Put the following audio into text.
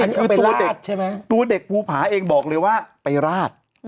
อันนี้คือตัวเด็กใช่ไหมตัวเด็กภูผาเองบอกเลยว่าไปราด